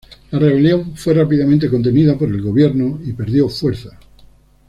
La rebelión fue rápidamente contenida por el gobierno y perdió fuerza.